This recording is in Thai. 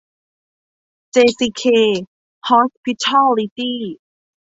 เจซีเค ฮอสพิทอลลิตี้